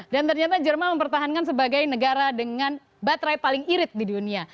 dan ternyata jerman mempertahankan sebagai negara dengan baterai paling irit di dunia